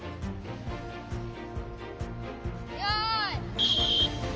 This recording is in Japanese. よい。